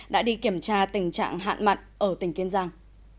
đã đi kiểm tra tình trạng hạn mặn ở tỉnh kiên giang